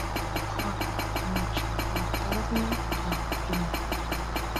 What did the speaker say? qaya mincha watasniy kaq rin